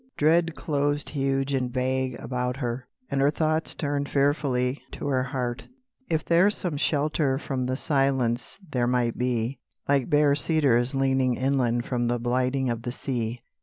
Dread closed huge and vague about her, And her thoughts turned fearfully To her heart, if there some shelter From the silence there might be, Like bare cedars leaning inland From the blighting of the sea.